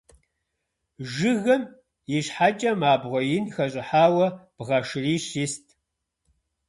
Жыгым и щхьэкӏэм абгъуэ ин хэщӏыхьауэ бгъэ шырищ ист.